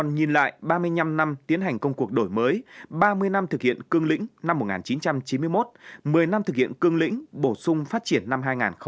nhìn lại ba mươi năm năm tiến hành công cuộc đổi mới ba mươi năm thực hiện cương lĩnh năm một nghìn chín trăm chín mươi một một mươi năm thực hiện cương lĩnh bổ sung phát triển năm hai nghìn một mươi một